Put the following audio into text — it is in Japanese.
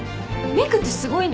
メークってすごいね。